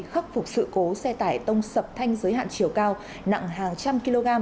khắc phục sự cố xe tải tông sập thanh giới hạn chiều cao nặng hàng trăm kg